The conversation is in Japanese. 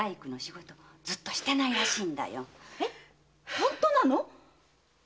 本当なの？